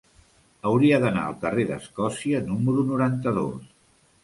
Hauria d'anar al carrer d'Escòcia número noranta-dos.